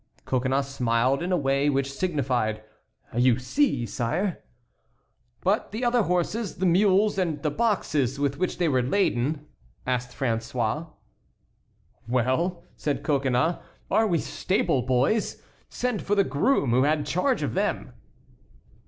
Coconnas smiled in a way which signified, "You see, sire!" "But the other horses, the mules, and the boxes with which they were laden?" asked François. "Well," said Coconnas, "are we stable boys? Send for the groom who had charge of them."